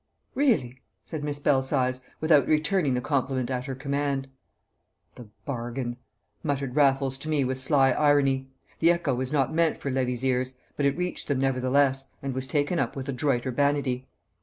"Really?" said Miss Belsize, without returning the compliment at her command. "The bargain!" muttered Raffles to me with sly irony. The echo was not meant for Levy's ears, but it reached them nevertheless, and was taken up with adroit urbanity.